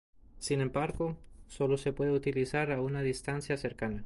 Sin embargo, sólo se puede utilizar a una distancia cercana.